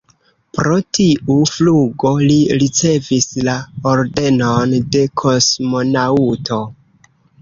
Pro tiu flugo li ricevis la Ordenon de kosmonaŭto.